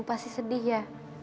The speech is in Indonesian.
ibu pasti sedih ya